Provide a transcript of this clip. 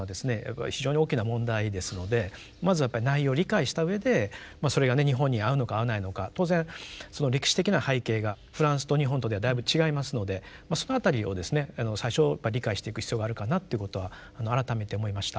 非常に大きな問題ですのでまずはやっぱり内容を理解したうえでそれが日本に合うのか合わないのか当然歴史的な背景がフランスと日本とではだいぶ違いますのでその辺りをですね最初理解していく必要があるかなということは改めて思いました。